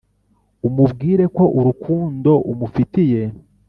umubwire ko urukundo umufitiye